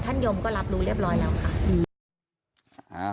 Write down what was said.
ยมก็รับรู้เรียบร้อยแล้วค่ะ